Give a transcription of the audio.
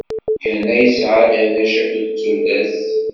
Yerna yesɛa-d arrac akked tullas.